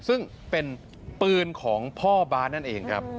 ซึ่งเป็นปืนของพ่อบาสนั่นเองครับ